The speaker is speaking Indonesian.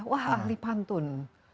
wah ahli pantun